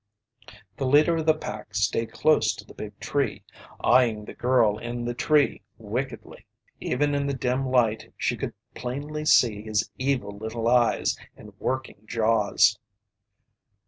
The leader of the pack stayed close to the big tree, eyeing the girl in the tree wickedly. Even in the dim light she could plainly see his evil little eyes and working jaws.